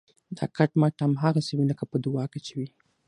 دا کټ مټ هماغسې وي لکه په دعا کې چې وي.